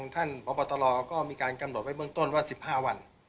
ท่านพบตรก็มีการกำหนดไว้เบื้องต้นว่า๑๕วัน